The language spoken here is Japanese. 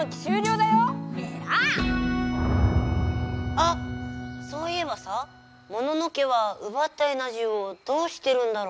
あっそういえばさモノノ家はうばったエナジーをどうしてるんだろう？